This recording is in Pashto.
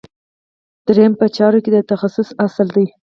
دریم په چارو کې د تخصص اصل دی.